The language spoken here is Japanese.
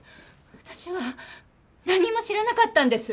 私は何も知らなかったんです！